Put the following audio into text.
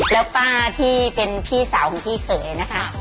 แล้วป้าที่เป็นพี่สาวของพี่เขยนะคะ